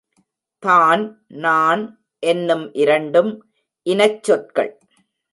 தான் நான் என்னும் இரண்டும் இனச் சொற்கள்.